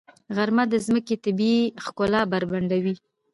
غرمه د ځمکې طبیعي ښکلا بربنډوي.